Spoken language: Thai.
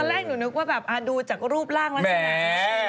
ตอนแรกหนูนึกว่าดูจากรูปร่างแล้วนะ